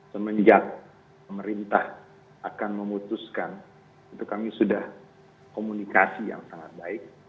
semenjak pemerintah akan memutuskan itu kami sudah komunikasi yang sangat baik